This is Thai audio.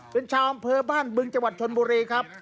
เป็นชาวอำเภอบ้านบึงจังหวัดชนบุรีครับ